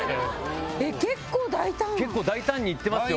結構大胆にいってますよ